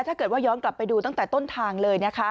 ถ้าเกิดว่าย้อนกลับไปดูตั้งแต่ต้นทางเลยนะคะ